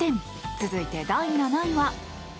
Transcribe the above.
続いて、第７位は。